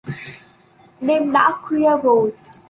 Đêm đã khuya rồi